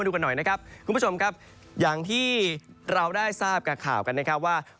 คุณผู้ชมครับอย่างที่เราได้ทราบกับข่าวกันนะครับว่า